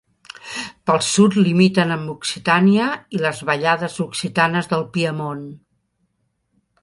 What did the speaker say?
Pel sud limiten amb Occitània i les Vallades Occitanes del Piemont.